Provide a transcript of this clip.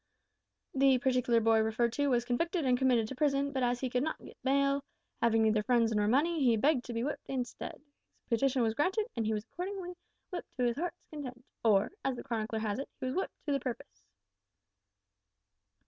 The particular boy referred to was convicted and committed to prison, but as he could not get bail having neither friends nor money he begged to be whipped instead! His petition was granted, and he was accordingly whipped to his heart's content or, as the chronicler has it, he was whipped `to the purpose.'